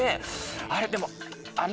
あれでも。